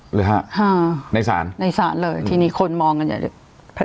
หรือห้าห้าในสารในสารเลยทีนี้คนมองกันอย่างเงี้ย